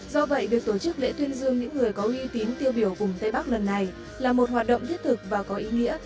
do vậy việc tổ chức lễ tuyên dương những người có uy tín tiêu biểu vùng tây bắc lần này là một hoạt động thiết thực và có ý nghĩa